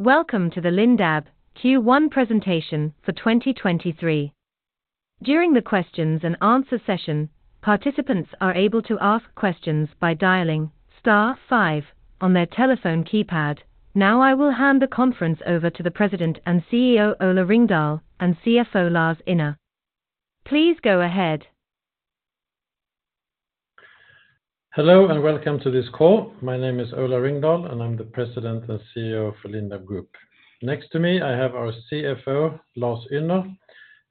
Welcome to the Lindab Q1 presentation for 2023. During the questions and answer session, participants are able to ask questions by dialing star five on their telephone keypad. I will hand the conference over to the President and CEO, Ola Ringdahl, and Lars Ynner. please go ahead. Hello, welcome to this call. My name is Ola Ringdahl, and I'm the President and CEO for Lindab Group. Next to me, I have our Lars Ynner,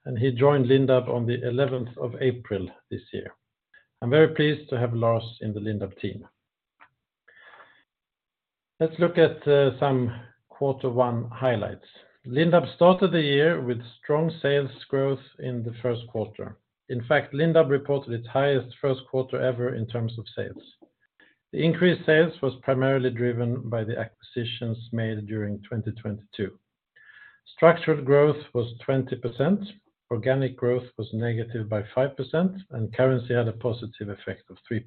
and he joined Lindab on the eleventh of April this year. I'm very pleased to have Lars in the Lindab team. Let's look at some quarter one highlights. Lindab started the year with strong sales growth in the Q1. In fact, Lindab reported its highest Q1 ever in terms of sales. The increased sales was primarily driven by the acquisitions made during 2022. Structural growth was 20%. Organic growth was negative by 5%, and currency had a positive effect of 3%.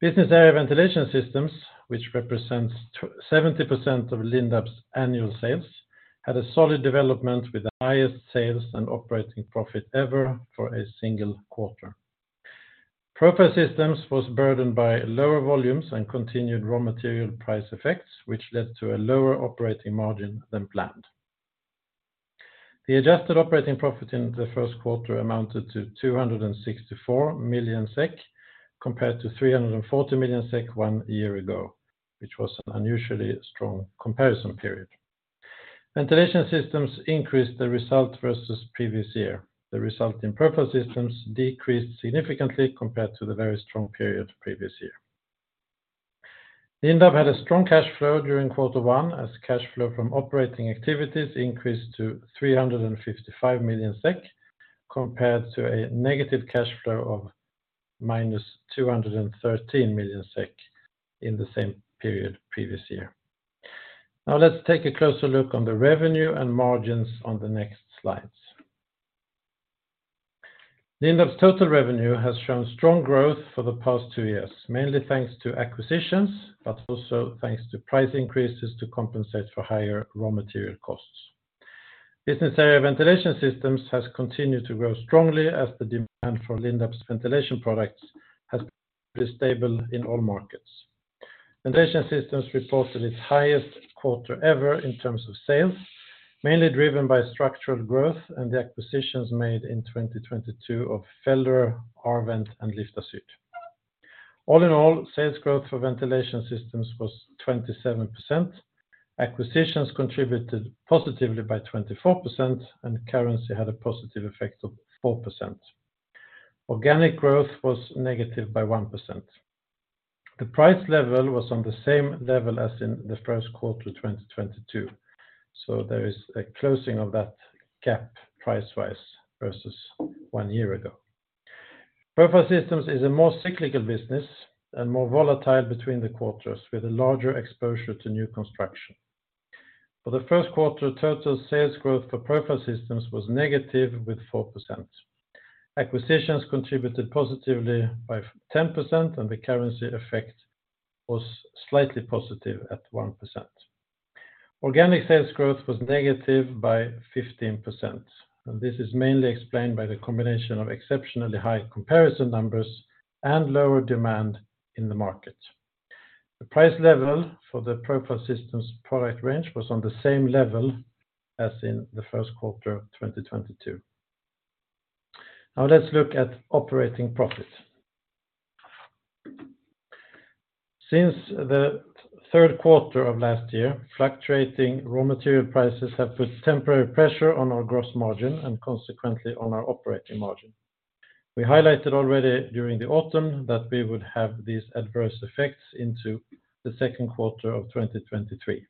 Business area Ventilation Systems, which represents 70% of Lindab's annual sales, had a solid development with the highest sales and operating profit ever for a single quarter. Profile Systems was burdened by lower volumes and continued raw material price effects, which led to a lower operating margin than planned. The adjusted operating profit in the Q1 amounted to 264 million SEK, compared to 340 million SEK one year ago, which was an unusually strong comparison period. Ventilation Systems increased the result versus previous year. The result in Profile Systems decreased significantly compared to the very strong period previous year. Lindab had a strong cash flow during quarter one as cash flow from operating activities increased to 355 million SEK compared to a negative cash flow of minus 213 million SEK in the same period previous year. Let's take a closer look on the revenue and margins on the next slides. Lindab's total revenue has shown strong growth for the past two years, mainly thanks to acquisitions, but also thanks to price increases to compensate for higher raw material costs. Business area Ventilation Systems has continued to grow strongly as the demand for Lindab's ventilation products has been stable in all markets. Ventilation Systems reported its highest quarter ever in terms of sales, mainly driven by structural growth and the acquisitions made in 2022 of Felderer, R-Vent, and Ekovent. All in all, sales growth for Ventilation Systems was 27%. Acquisitions contributed positively by 24%. Currency had a positive effect of 4%. Organic growth was negative by 1%. The price level was on the same level as in the Q1 of 2022. There is a closing of that gap price-wise versus one year ago. Profile Systems is a more cyclical business and more volatile between the quarters with a larger exposure to new construction. For the Q1, total sales growth for Profile Systems was negative with 4%. Acquisitions contributed positively by 10%, and the currency effect was slightly positive at 1%. Organic sales growth was negative by 15%, and this is mainly explained by the combination of exceptionally high comparison numbers and lower demand in the market. The price level for the Profile Systems product range was on the same level as in the Q1 of 2022. Now let's look at operating profit. Since the Q3 of last year, fluctuating raw material prices have put temporary pressure on our gross margin and consequently on our operating margin. We highlighted already during the autumn that we would have these adverse effects into the Q2 of 2023.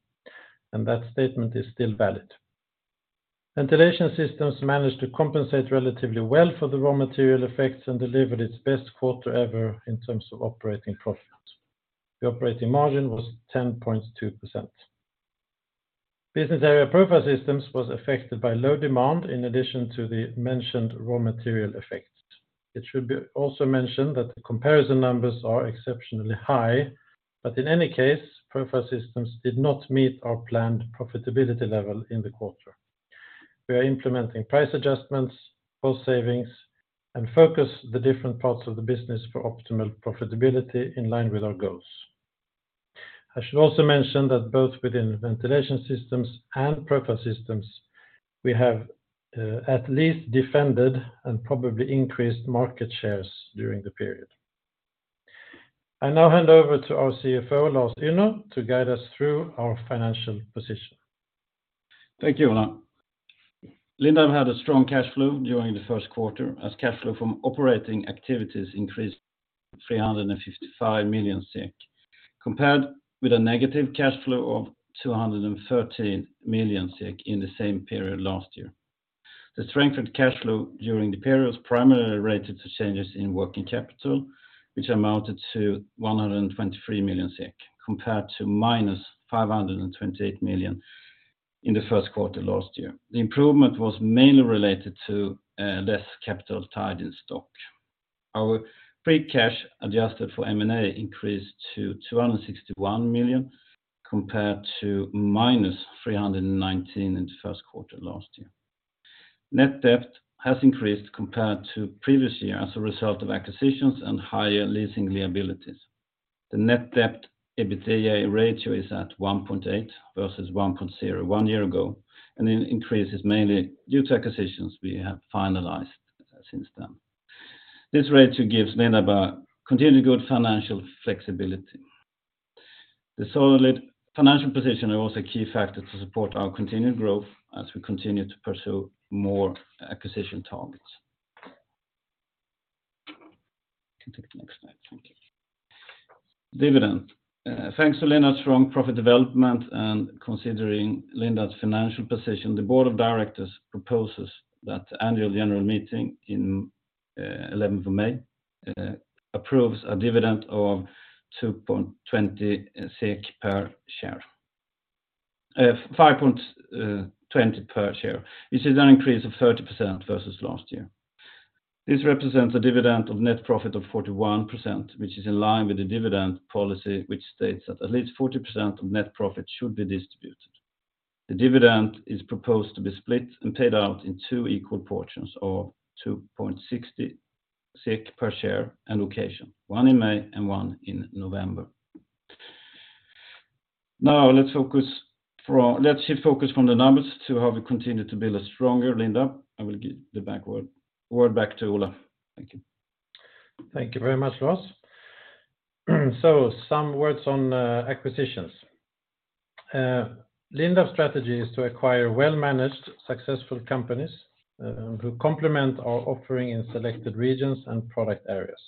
That statement is still valid. Ventilation Systems managed to compensate relatively well for the raw material effects and delivered its best quarter ever in terms of operating profit. The operating margin was 10.2%. Business area Profile Systems was affected by low demand in addition to the mentioned raw material effect. It should be also mentioned that the comparison numbers are exceptionally high. In any case, Profile Systems did not meet our planned profitability level in the quarter. We are implementing price adjustments, cost savings, and focus the different parts of the business for optimal profitability in line with our goals. I should also mention that both within Ventilation Systems and Profile Systems, we have at least defended and probably increased market shares during the period. I now hand over to our Lars Ynner, to guide us through our financial position. Thank you, Ola. Lindab had a strong cash flow during the Q1 as cash flow from operating activities increased 355 million SEK, compared with a negative cash flow of 213 million SEK in the same period last year. The strengthened cash flow during the period was primarily related to changes in working capital, which amounted to 123 million SEK compared to -528 million in the Q1 last year. The improvement was mainly related to less capital tied in stock. Our free cash adjusted for M&A increased to 261 million compared to -319 million in the Q1 last year. Net debt has increased compared to previous year as a result of acquisitions and higher leasing liabilities. The net debt EBITDA ratio is at 1.8 versus 1.0 one year ago. It increases mainly due to acquisitions we have finalized since then. This ratio gives Lindab a continued good financial flexibility. The solid financial position is also a key factor to support our continued growth as we continue to pursue more acquisition targets. You can take the next slide. Thank you. Dividend. Thanks to Lindab's strong profit development and considering Lindab's financial position, the board of directors proposes that annual general meeting in 11th of May approves a dividend of 2.20 per share. 5.20 per share. This is an increase of 30% versus last year. This represents a dividend of net profit of 41%, which is in line with the dividend policy, which states that at least 40% of net profit should be distributed. The dividend is proposed to be split and paid out in 2 equal portions of 2.60 per share and location, one in May and one in November. Let's shift focus from the numbers to how we continue to build a stronger Lindab. I will give the word back to Ola. Thank you. Thank you very much, Lars. Some words on acquisitions. Lindab's strategy is to acquire well-managed successful companies who complement our offering in selected regions and product areas.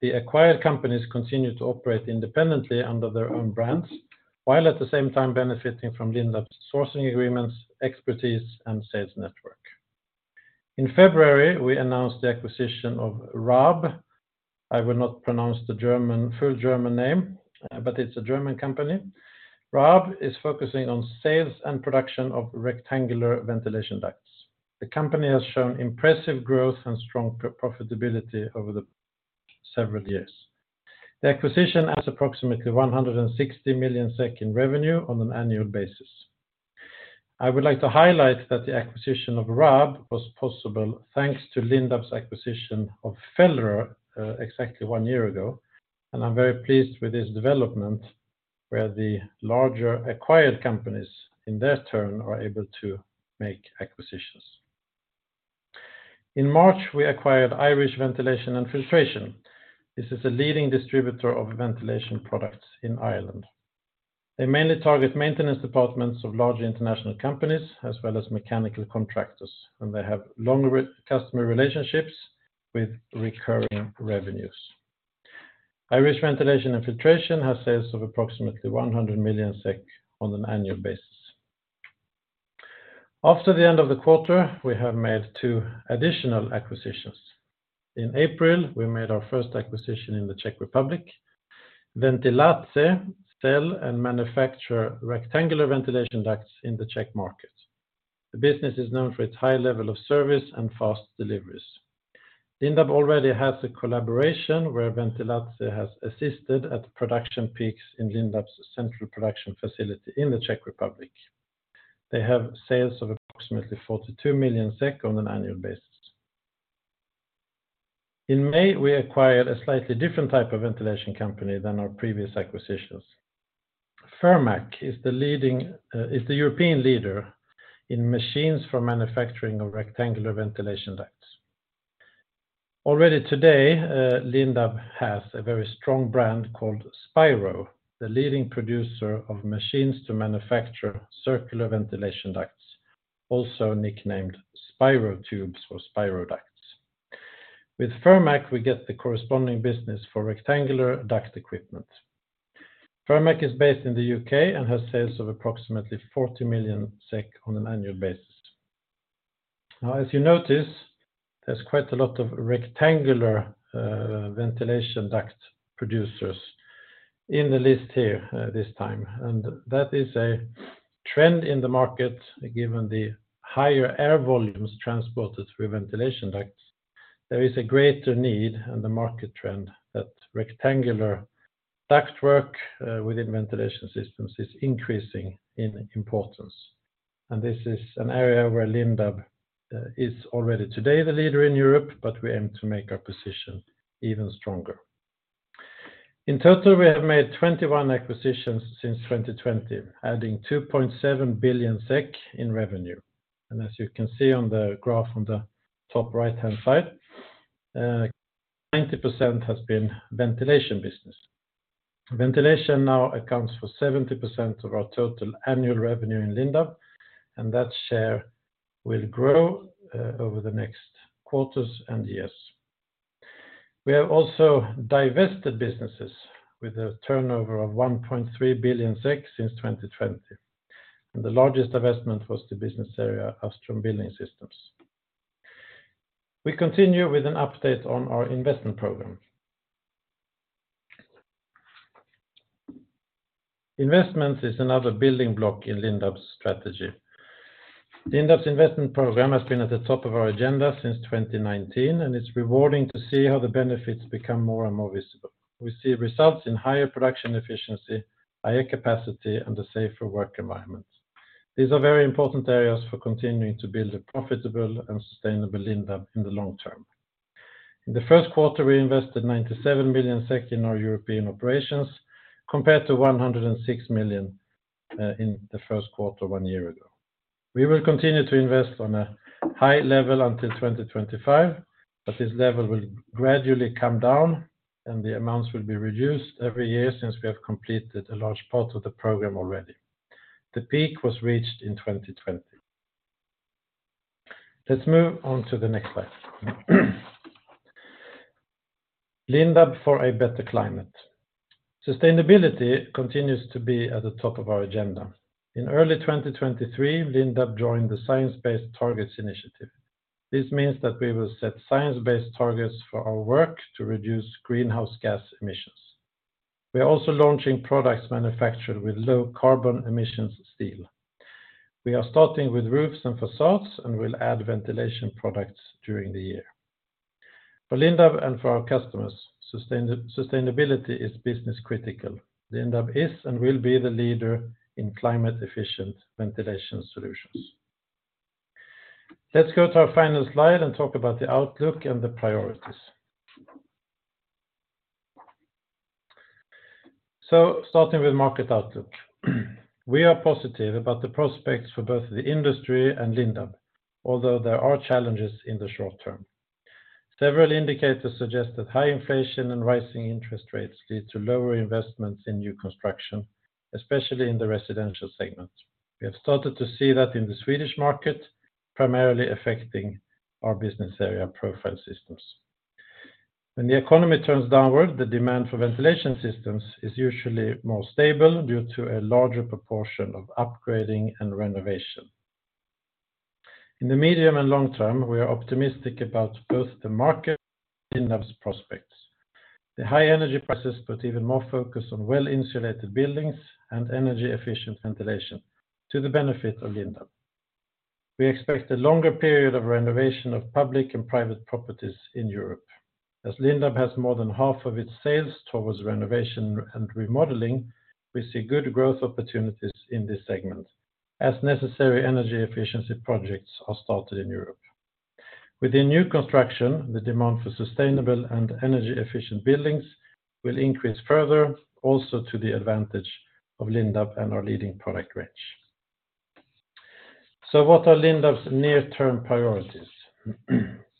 The acquired companies continue to operate independently under their own brands, while at the same time benefiting from Lindab's sourcing agreements, expertise, and sales network. In February, we announced the acquisition of Raab. I will not pronounce the full German name, but it's a German company. Raab is focusing on sales and production of rectangular ventilation ducts. The company has shown impressive growth and strong profitability over the several years. The acquisition adds approximately 160 million SEK in revenue on an annual basis. I would like to highlight that the acquisition of Raab was possible thanks to Lindab's acquisition of Felderer, exactly one year ago. I'm very pleased with this development where the larger acquired companies in their turn are able to make acquisitions. In March, we acquired Irish Ventilation and Filtration. This is a leading distributor of ventilation products in Ireland. They mainly target maintenance departments of large international companies as well as mechanical contractors. They have long customer relationships with recurring revenues. Irish Ventilation and Filtration has sales of approximately 100 million SEK on an annual basis. After the end of the quarter, we have made two additional acquisitions. In April, we made our first acquisition in the Czech Republic. Ventilace.EU sell and manufacture rectangular ventilation ducts in the Czech market. The business is known for its high level of service and fast deliveries. Lindab already has a collaboration where Ventilace has assisted at production peaks in Lindab's central production facility in the Czech Republic. They have sales of approximately 42 million SEK on an annual basis. In May, we acquired a slightly different type of ventilation company than our previous acquisitions. Firmac is the European leader in machines for manufacturing of rectangular ventilation ducts. Already today, Lindab has a very strong brand called Spiro, the leading producer of machines to manufacture circular ventilation ducts, also nicknamed Spiro tubes or Spiro ducts. With Firmac, we get the corresponding business for rectangular duct equipment. Firmac is based in the U.K. and has sales of approximately 40 million SEK on an annual basis. As you notice, there's quite a lot of rectangular ventilation duct producers in the list here this time, and that is a trend in the market given the higher air volumes transported through ventilation ducts. There is a greater need and the market trend that rectangular ductwork within Ventilation Systems is increasing in importance. This is an area where Lindab is already today the leader in Europe, but we aim to make our position even stronger. In total, we have made 21 acquisitions since 2020, adding 2.7 billion SEK in revenue. As you can see on the graph on the top right-hand side, 90% has been ventilation business. Ventilation now accounts for 70% of our total annual revenue in Lindab, and that share will grow over the next quarters and years. We have also divested businesses with a turnover of 1.3 billion since 2020, and the largest divestment was the business area Astron Building Systems. We continue with an update on our investment program. Investments is another building block in Lindab's strategy. Lindab's investment program has been at the top of our agenda since 2019, and it's rewarding to see how the benefits become more and more visible. We see results in higher production efficiency, higher capacity, and a safer work environment. These are very important areas for continuing to build a profitable and sustainable Lindab in the long term. In the Q1, we invested 97 million SEK in our European operations compared to 106 million in the Q1 one year ago. We will continue to invest on a high level until 2025. This level will gradually come down, and the amounts will be reduced every year since we have completed a large part of the program already. The peak was reached in 2020. Let's move on to the next slide. Lindab for a better climate. Sustainability continues to be at the top of our agenda. In early 2023, Lindab joined the Science Based Targets initiative. This means that we will set science-based targets for our work to reduce greenhouse gas emissions. We are also launching products manufactured with low carbon emissions steel. We are starting with roofs and facades and will add ventilation products during the year. For Lindab and for our customers, sustainability is business critical. Lindab is and will be the leader in climate efficient ventilation solutions. Let's go to our final slide and talk about the outlook and the priorities. Starting with market outlook, we are positive about the prospects for both the industry and Lindab, although there are challenges in the short term. Several indicators suggest that high inflation and rising interest rates lead to lower investments in new construction, especially in the residential segment. We have started to see that in the Swedish market, primarily affecting our business area, Profile Systems. When the economy turns downward, the demand for ventilation systems is usually more stable due to a larger proportion of upgrading and renovation. In the medium and long term, we are optimistic about both the market and Lindab's prospects. The high energy prices put even more focus on well-insulated buildings and energy efficient ventilation to the benefit of Lindab. We expect a longer period of renovation of public and private properties in Europe. Lindab has more than half of its sales towards renovation and remodeling, we see good growth opportunities in this segment as necessary energy efficiency projects are started in Europe. Within new construction, the demand for sustainable and energy efficient buildings will increase further, also to the advantage of Lindab and our leading product range. What are Lindab's near-term priorities?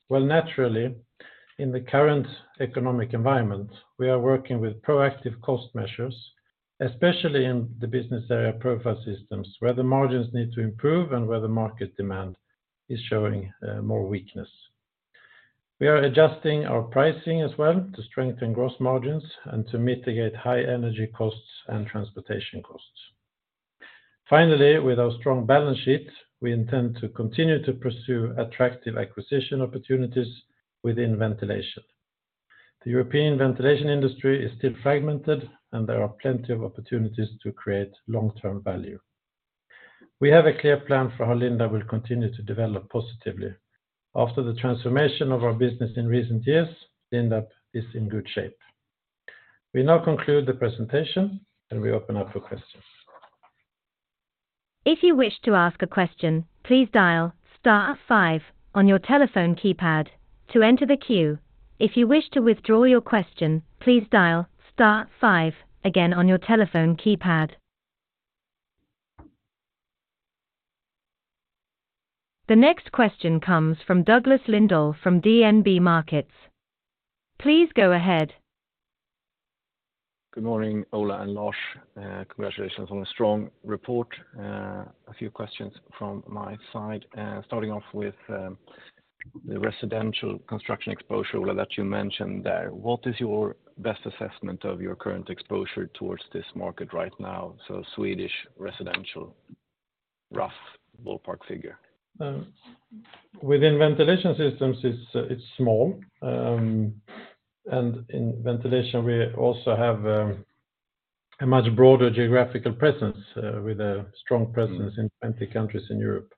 Well, naturally, in the current economic environment, we are working with proactive cost measures, especially in the business area Profile Systems, where the margins need to improve and where the market demand is showing more weakness. We are adjusting our pricing as well to strengthen gross margins and to mitigate high energy costs and transportation costs. Finally, with our strong balance sheet, we intend to continue to pursue attractive acquisition opportunities within ventilation. The European ventilation industry is still fragmented, and there are plenty of opportunities to create long-term value. We have a clear plan for how Lindab will continue to develop positively. After the transformation of our business in recent years, Lindab is in good shape. We now conclude the presentation, and we open up for questions. If you wish to ask a question, please dial star five on your telephone keypad to enter the queue. If you wish to withdraw your question, please dial star five again on your telephone keypad. The next question comes from Douglas Lindahl from DNB Markets. Please go ahead. Good morning, Ola and Lars. Congratulations on a strong report. A few questions from my side, starting off with the residential construction exposure that you mentioned there. What is your best assessment of your current exposure towards this market right now? Swedish residential, rough ballpark figure. Within Ventilation Systems, it's small. In Ventilation, we also have a much broader geographical presence with a strong presence in 20 countries in Europe.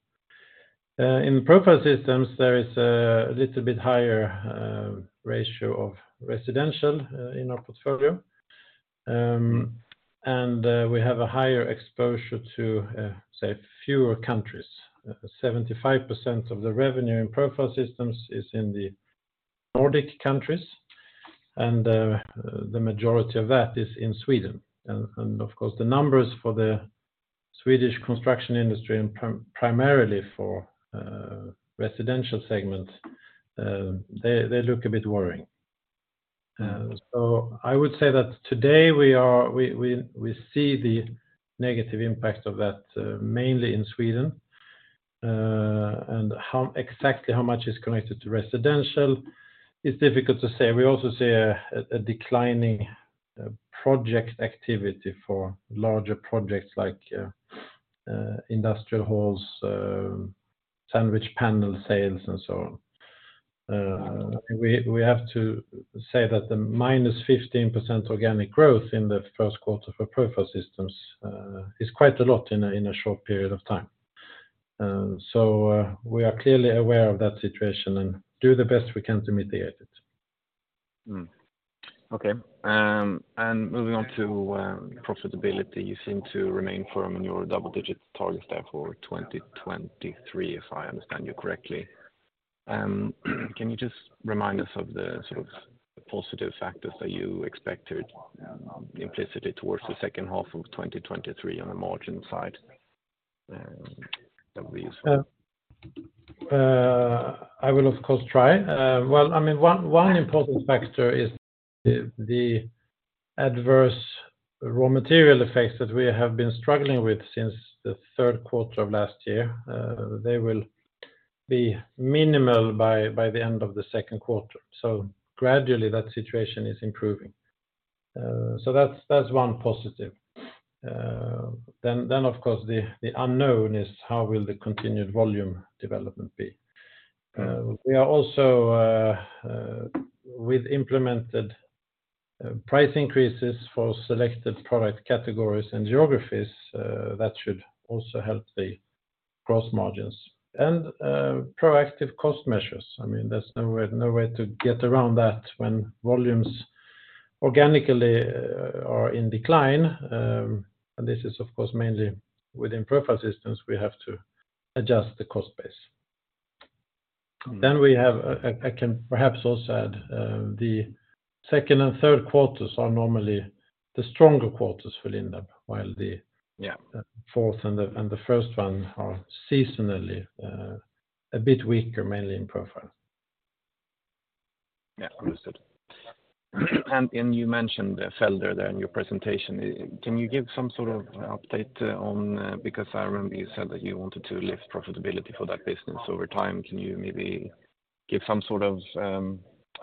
In Profile Systems, there is a little bit higher ratio of residential in our portfolio. We have a higher exposure to, say, fewer countries. 75% of the revenue in Profile Systems is in the Nordic countries, and the majority of that is in Sweden. Of course, the numbers for the Swedish construction industry and primarily for residential segments, they look a bit worrying. I would say that today we see the negative impact of that mainly in Sweden. Exactly how much is connected to residential, it's difficult to say. We also see a declining project activity for larger projects like industrial halls, sandwich panel sales, and so on. We have to say that the -15% organic growth in the Q1 for Profile Systems is quite a lot in a short period of time. We are clearly aware of that situation and do the best we can to mitigate it. Okay. Moving on to profitability. You seem to remain firm in your double-digit target there for 2023, if I understand you correctly. Can you just remind us of the sort of positive factors that you expected implicitly towards the second half of 2023 on the margin side? That would be useful. I will of course try. Well, I mean, one important factor is the adverse raw material effects that we have been struggling with since the Q3 of last year. They will be minimal by the end of the Q2. Gradually, that situation is improving. That's one positive. Of course the unknown is how will the continued volume development be. We are also with implemented price increases for selected product categories and geographies that should also help the gross margins. Proactive cost measures. I mean, there's no way to get around that when volumes organically are in decline. This is of course mainly within Profile Systems, we have to adjust the cost base. Mm. We have, I can perhaps also add, the second and Q3s are normally the stronger quarters for Lindab, while Yeah... fourth and the, and the first one are seasonally a bit weaker, mainly in Profile. Yeah. Understood. You mentioned Felderer there in your presentation. Can you give some sort of update on... I remember you said that you wanted to lift profitability for that business over time. Can you maybe give some sort of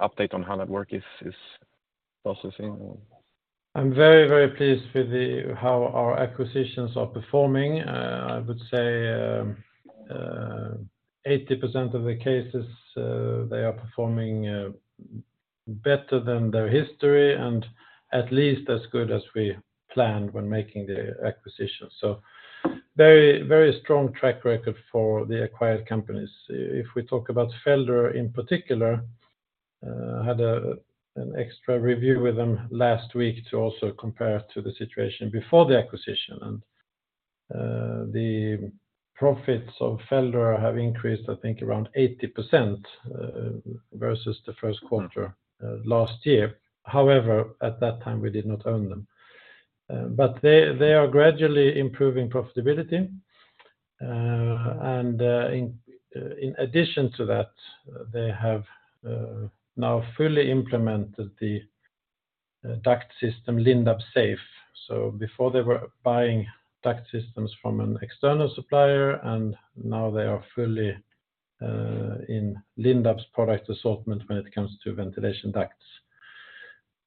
update on how that work is processing or? I'm very, very pleased with the, how our acquisitions are performing. I would say 80% of the cases, they are performing better than their history and at least as good as we planned when making the acquisition. Very, very strong track record for the acquired companies. If we talk about Felderer in particular, had an extra review with them last week to also compare to the situation before the acquisition. The profits of Felderer have increased, I think around 80%, versus the Q1 last year. However, at that time, we did not own them. They are gradually improving profitability. In addition to that, they have now fully implemented the duct system, Lindab Safe. Before they were buying duct systems from an external supplier, and now they are fully in Lindab's product assortment when it comes to ventilation ducts.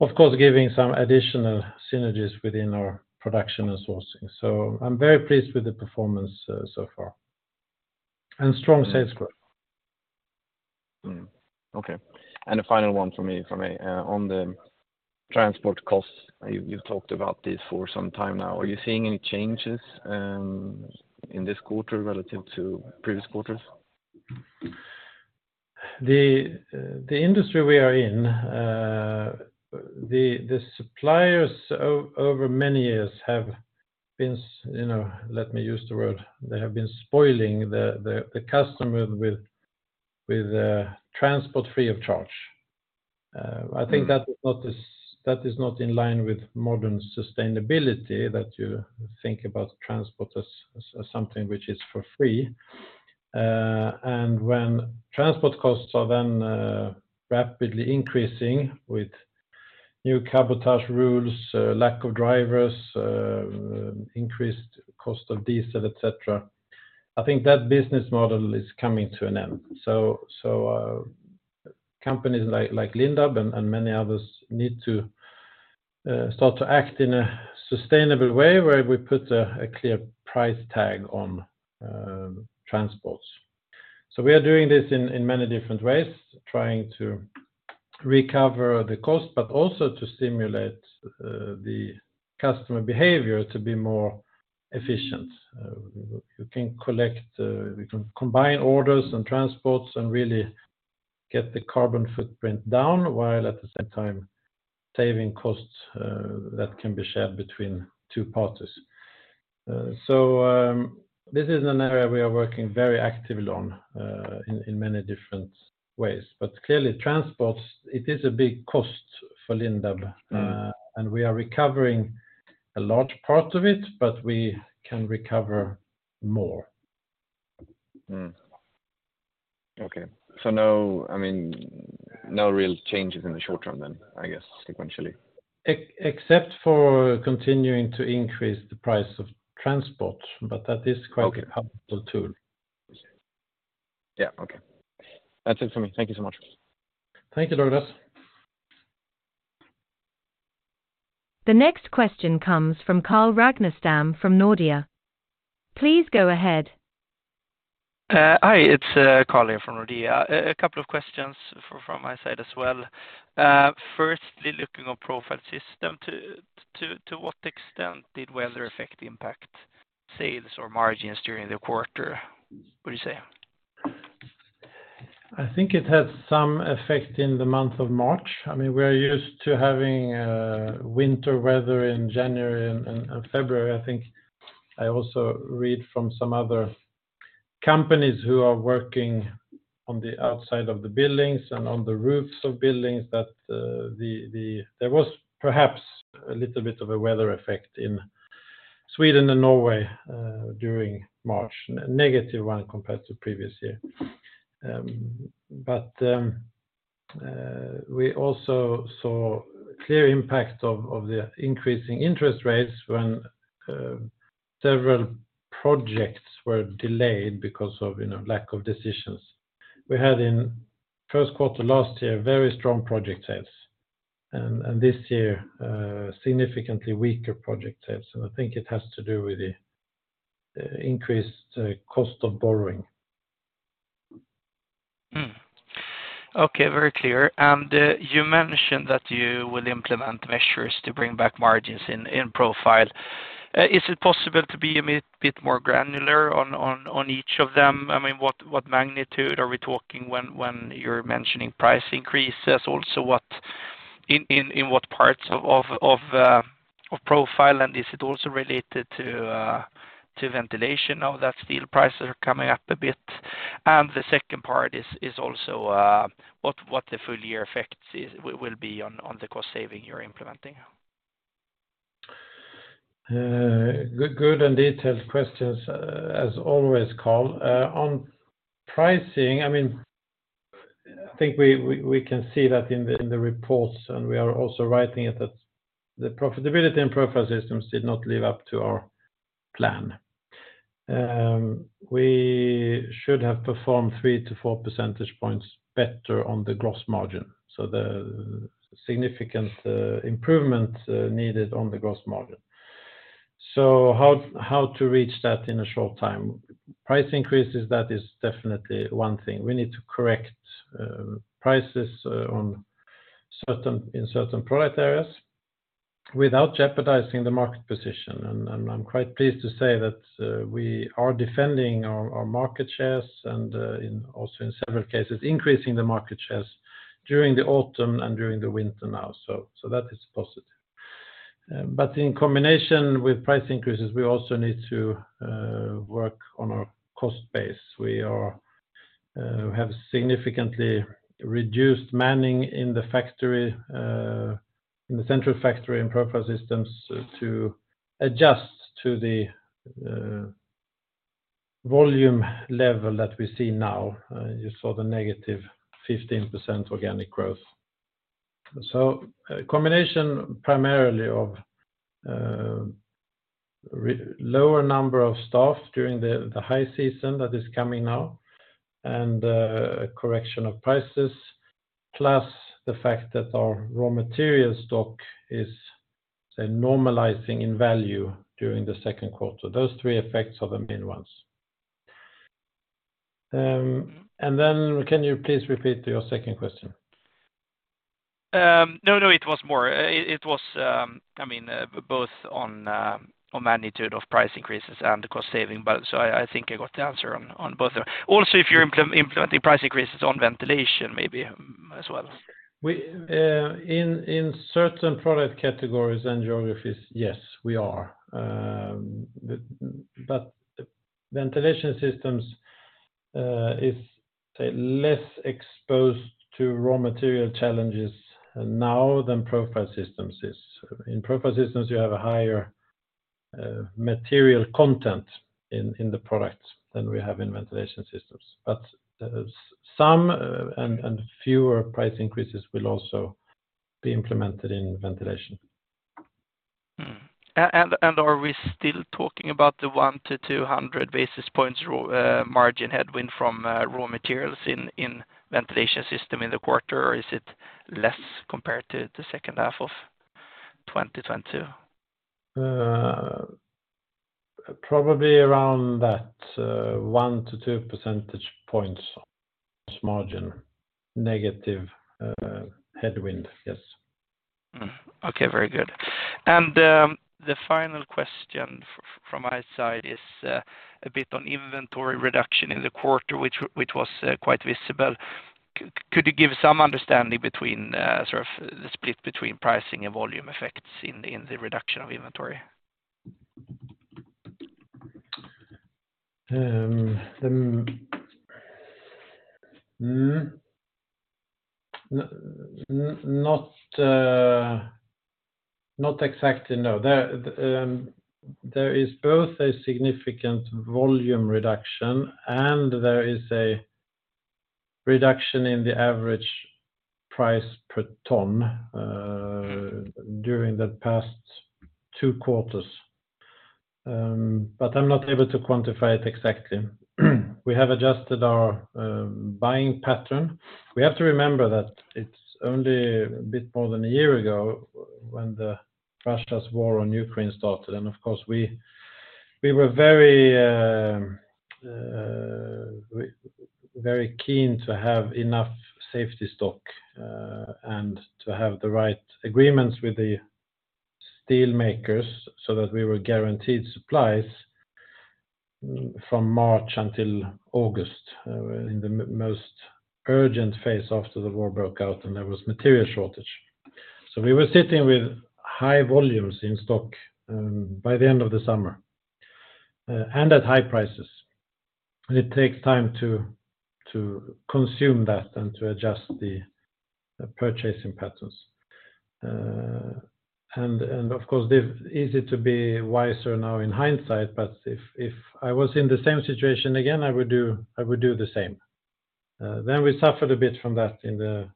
Of course, giving some additional synergies within our production and sourcing. I'm very pleased with the performance so far. Strong sales growth. Okay. A final one for me. On the transport costs, you've talked about this for some time now. Are you seeing any changes in this quarter relative to previous quarters? The industry we are in, the suppliers over many years have been you know, let me use the word, they have been spoiling the customer with transport free of charge. I think that is not in line with modern sustainability that you think about transport as something which is for free. When transport costs are then rapidly increasing with new cabotage rules, lack of drivers, increased cost of diesel, et cetera, I think that business model is coming to an end. Companies like Lindab and many others need to start to act in a sustainable way where we put a clear price tag on transports. We are doing this in many different ways, trying to recover the cost, but also to stimulate the customer behavior to be more efficient. We can collect, we can combine orders and transports and really get the carbon footprint down, while at the same time saving costs that can be shared between two parties. This is an area we are working very actively on in many different ways. Clearly, transports, it is a big cost for Lindab. Mm. We are recovering a large part of it, but we can recover more. Okay. No, I mean, no real changes in the short term then, I guess, sequentially. Except for continuing to increase the price of transport, but that is quite- Okay... a helpful tool. Yeah. Okay. That's it for me. Thank you so much. Thank you, Douglas. The next question comes from Carl Ragnerstam from Nordea. Please go ahead. Hi. It's Carl here from Nordea. A couple of questions from my side as well. Firstly, looking on Profile Systems, to what extent did weather affect the impact sales or margins during the quarter, would you say? I think it had some effect in the month of March. I mean, we're used to having winter weather in January and February. I think I also read from some other companies who are working on the outside of the buildings and on the roofs of buildings that there was perhaps a little bit of a weather effect in Sweden and Norway during March, negative one compared to previous year. We also saw clear impact of the increasing interest rates when several projects were delayed because of, you know, lack of decisions. We had in Q1 last year very strong project sales, and this year significantly weaker project sales, and I think it has to do with the increased cost of borrowing. Okay, very clear. You mentioned that you will implement measures to bring back margins in Profile. Is it possible to be a bit more granular on each of them? I mean, what magnitude are we talking when you're mentioning price increases? Also in what parts of Profile, and is it also related to ventilation now that steel prices are coming up a bit? The second part is also what the full year effects will be on the cost saving you're implementing. Good and detailed questions, as always, Carl. On pricing, I mean, I think we can see that in the reports, and we are also writing it that the profitability in Profile Systems did not live up to our plan. We should have performed 3-4 percentage points better on the gross margin, so the significant improvement needed on the gross margin. How to reach that in a short time? Price increases, that is definitely one thing. We need to correct prices on certain, in certain product areas without jeopardizing the market position. I'm quite pleased to say that we are defending our market shares and also in several cases increasing the market shares during the autumn and during the winter now. That is positive. In combination with price increases, we also need to work on our cost base. We have significantly reduced manning in the factory in the central factory in Profile Systems to adjust to the volume level that we see now. You saw the -15% organic growth. A combination primarily of lower number of staff during the high season that is coming now and a correction of prices, plus the fact that our raw material stock is, say, normalizing in value during the Q2. Those three effects are the main ones. Can you please repeat your second question? No, no, it was more. It was, I mean, both on magnitude of price increases and the cost saving. I think I got the answer on both of them. Also, if you're implementing price increases on ventilation maybe as well. We in certain product categories and geographies, yes, we are. Ventilation Systems is, say, less exposed to raw material challenges now than Profile Systems is. In Profile Systems, you have a higher material content in the product than we have in Ventilation Systems. Some and fewer price increases will also be implemented in Ventilation. Are we still talking about the 100-200 basis points raw margin headwind from raw materials in Ventilation Systems in the quarter? Or is it less compared to the second half of 2022? Probably around that, 1 to 2 percentage points margin negative headwind. Yes. Okay. Very good. The final question from my side is a bit on inventory reduction in the quarter, which was quite visible. Could you give some understanding between sort of the split between pricing and volume effects in the reduction of inventory? Not exactly, no. There is both a significant volume reduction, and there is a reduction in the average price per ton during the past two quarters. I'm not able to quantify it exactly. We have adjusted our buying pattern. We have to remember that it's only a bit more than one year ago when the disastrous war on Ukraine started. Of course, we were very keen to have enough safety stock and to have the right agreements with the steel makers so that we were guaranteed supplies from March until August in the most urgent phase after the war broke out and there was material shortage. We were sitting with high volumes in stock by the end of the summer and at high prices. It takes time to consume that and to adjust the purchasing patterns. Of course, easy to be wiser now in hindsight, but if I was in the same situation again, I would do the same. We suffered a bit from that in the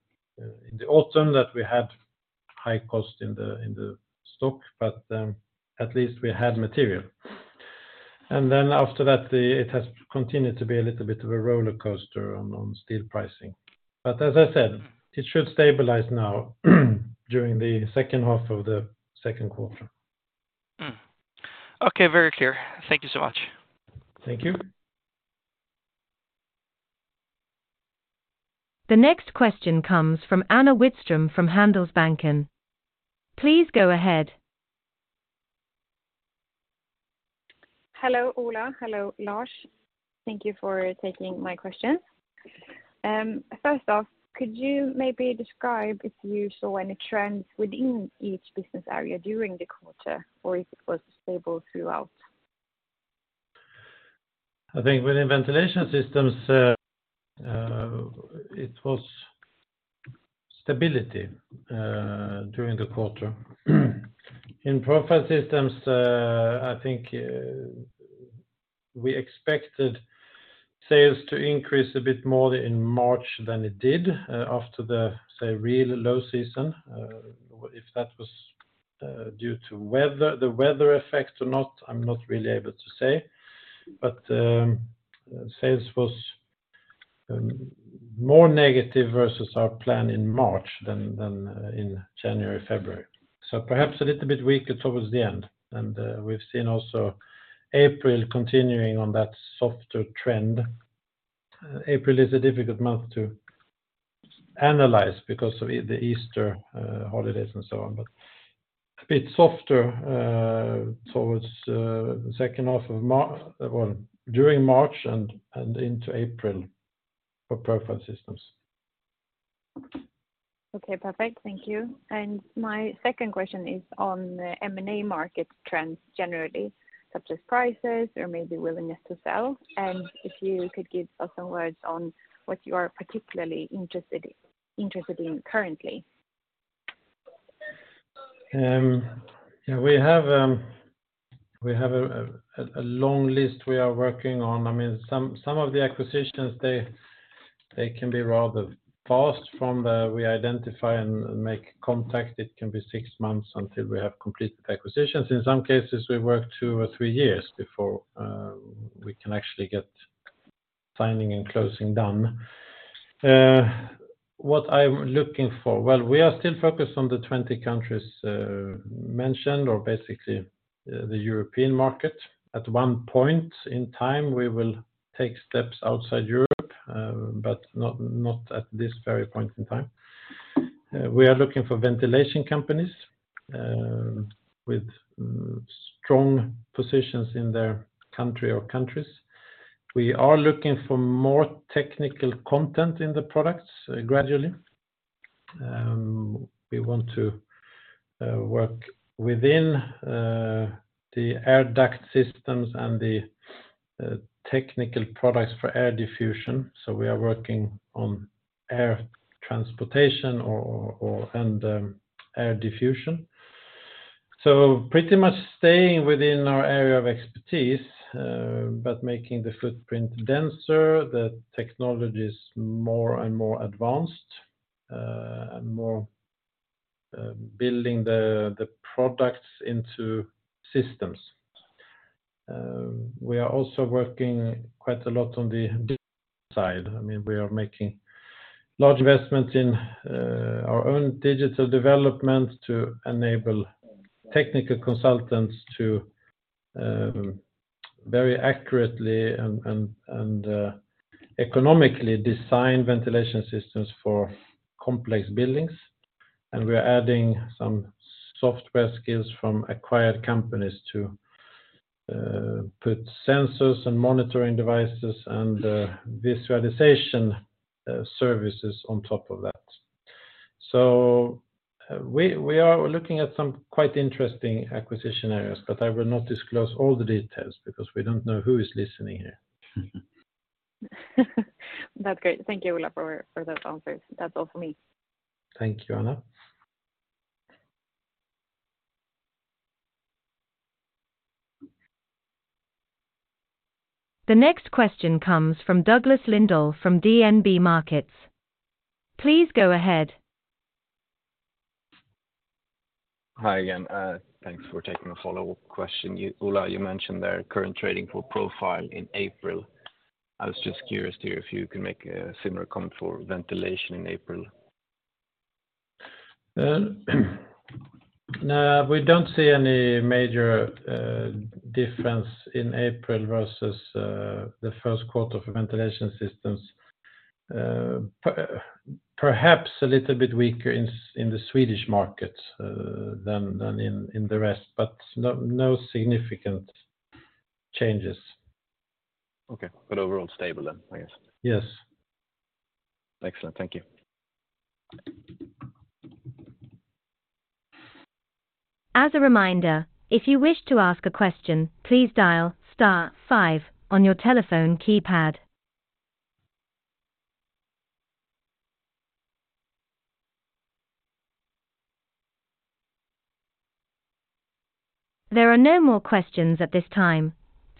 autumn that we had high cost in the stock, but at least we had material. After that, it has continued to be a little bit of a roller coaster on steel pricing. As I said, it should stabilize now during the second half of the Q2. Okay, very clear. Thank you so much. Thank you. The next question comes from Anna Lindholm Widström from Handelsbanken. Please go ahead. Hello, Ola. Hello, Lars. Thank you for taking my questions. First off, could you maybe describe if you saw any trends within each business area during the quarter, or if it was stable throughout? I think within Ventilation Systems, it was stability during the quarter. In Profile Systems, I think we expected sales to increase a bit more in March than it did after the, say, real low season. If that was due to weather, the weather effect or not, I'm not really able to say. Sales was more negative versus our plan in March than in January, February. Perhaps a little bit weaker towards the end. We've seen also April continuing on that softer trend. April is a difficult month to analyze because of the Easter holidays and so on. A bit softer towards second half of March. During March and into April for Profile Systems. Okay, perfect. Thank you. My second question is on the M&A market trends generally, such as prices or maybe willingness to sell. If you could give us some words on what you are particularly interested in currently. Yeah, we have a long list we are working on. Some of the acquisitions, they can be rather fast from the. We identify and make contact. It can be 6 months until we have completed acquisitions. In some cases, we work two or three years before we can actually get signing and closing done. What I'm looking for. We are still focused on the 20 countries mentioned, or basically the European market. At one point in time, we will take steps outside Europe, but not at this very point in time. We are looking for ventilation companies with strong positions in their country or countries. We are looking for more technical content in the products gradually. We want to work within the air duct systems and the technical products for air diffusion. We are working on air transportation and air diffusion. Pretty much staying within our area of expertise, but making the footprint denser, the technologies more and more advanced, and more building the products into systems. We are also working quite a lot on the digital side. I mean, we are making large investments in our own digital development to enable technical consultants to very accurately and economically design ventilation systems for complex buildings. We are adding some software skills from acquired companies to put sensors and monitoring devices and visualization services on top of that. We are looking at some quite interesting acquisition areas, but I will not disclose all the details because we don't know who is listening here. That's great. Thank you, Ola, for those answers. That's all for me. Thank you, Anna. The next question comes from Douglas Lindahl from DNB Markets. Please go ahead. Hi again. Thanks for taking a follow-up question. You, Ola, you mentioned the current trading for Profile in April. I was just curious to hear if you can make a similar comment for ventilation in April. Well, no, we don't see any major difference in April versus the Q1 for Ventilation Systems. Perhaps a little bit weaker in the Swedish markets, than in the rest, no significant changes. Okay. Overall stable then, I guess. Yes. Excellent. Thank you. As a reminder, if you wish to ask a question, please dial star five on your telephone keypad. There are no more questions at this time.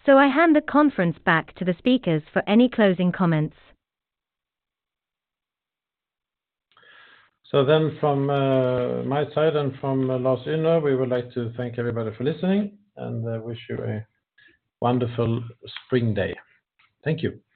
I hand the conference back to the speakers for any closing comments. From my side and Lars Ynner, we would like to thank everybody for listening and wish you a wonderful spring day. Thank you. Thank you.